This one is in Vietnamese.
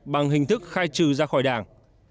bằng hình thức khai trừ ra khỏi đảng